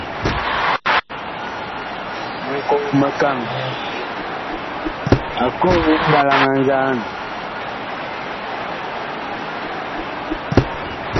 Nkoo-mikaŋ a koo mɓalaŋ a nzaan.